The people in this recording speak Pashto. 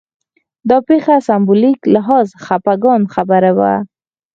دا پېښه سېمبولیک لحاظ خپګان خبره وه